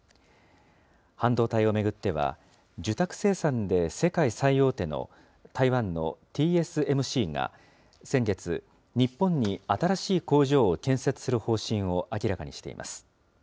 半導体を巡っては、受託生産で世界最大手の台湾のＴＳＭＣが先月、日本に新しい工場を建設する方針を明らかにしています。